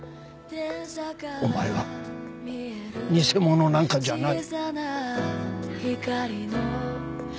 お前は偽者なんかじゃない。